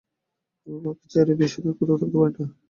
আমি মাকে ছেড়ে বেশি দিন কোথাও থাকতে পারি নে।